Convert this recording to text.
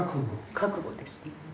覚悟ですね。